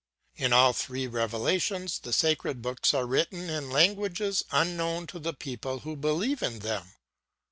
"In all three revelations the sacred books are written in languages unknown to the people who believe in them.